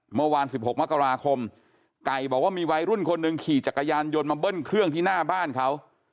เมื่อวาน๑๖มกราคมไก่บอกว่ามีวัยรุ่นคนหนึ่งขี่จักรยานยนต์มาเบิ้ลเครื่องที่หน้าบ้านเขา